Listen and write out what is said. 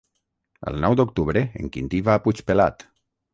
El nou d'octubre en Quintí va a Puigpelat.